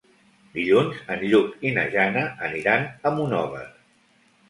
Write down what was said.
Dilluns en Lluc i na Jana aniran a Monòver.